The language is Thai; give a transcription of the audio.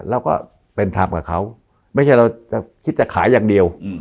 แล้วก็เป็นธรรมกับเขาไม่ใช่เราจะคิดจะขายอย่างเดียว